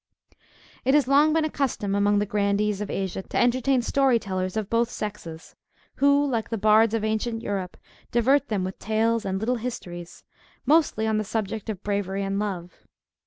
It has long been a custom among the grandees of Asia, to entertain story tellers of both sexes, who like the bards of ancient Europe, divert them with tales, and little histories, mostly on the subject of bravery and love.